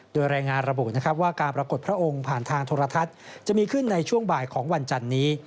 โดยรายงานระบุนะครับว่าการปรากฏพระองค์ผ่านทางโทรทัศน์จะมีขึ้นในช่วงบ่ายของวันจันนี้